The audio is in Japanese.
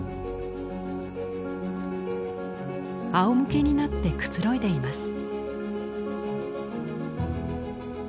あおむけになってくつろいでいます。